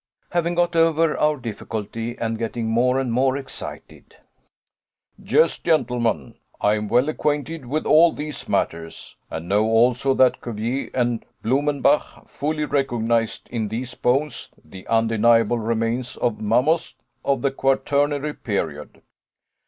Having got over our difficulty, and getting more and more excited "Yes, gentlemen, I am well acquainted with all these matters, and know, also, that Cuvier and Blumenbach fully recognized in these bones the undeniable remains of mammoths of the Quaternary period.